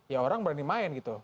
ya orang berani main gitu